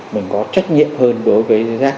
mình có trách nhiệm hơn đối với rác